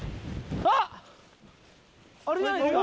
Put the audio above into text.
あれじゃないですか？